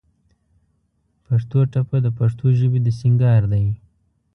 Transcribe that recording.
پښتو ټپه د پښتو ژبې د سينګار دى.